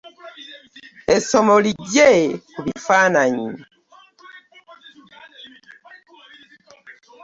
Essomo liggye ku bifaananyi.